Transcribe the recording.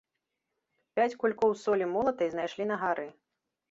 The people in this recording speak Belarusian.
Пяць кулькоў солі молатай знайшлі на гары.